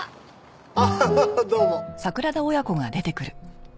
アハハハッどうも。